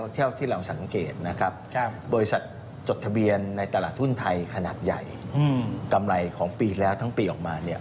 ธุ่นไทยขนาดใหญ่กำไรของปีแล้วทั้งปีออกมาเนี้ย